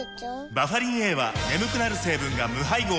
バファリンＡは眠くなる成分が無配合なんです